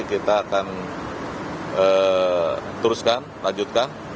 kita akan teruskan lanjutkan